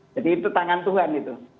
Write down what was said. jadi itu tangan tuhan gitu